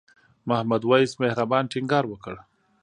محمد وېس مهربان ټینګار وکړ.